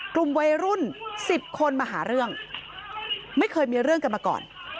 กลุ่มวัยรุ่น๑๐คนมาหาเรื่องไม่เคยมีเรื่องกันมาก่อน